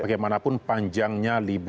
bagaimanapun panjangnya liburnya